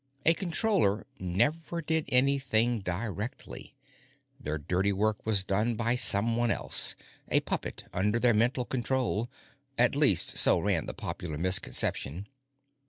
A Controller never did anything directly; their dirty work was done by someone else a puppet under their mental control. At least, so ran the popular misconception.